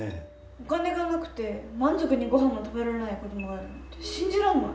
お金がなくて満足にご飯も食べられない子供がいるなんて信じられない。